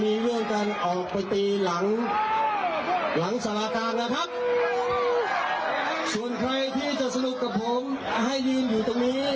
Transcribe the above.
นี่ค่ะกลางคอนเสิร์ท